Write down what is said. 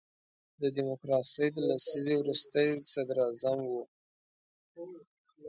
د ډیموکراسۍ د لسیزې وروستی صدر اعظم وو.